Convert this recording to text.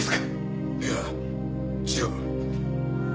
いや違う。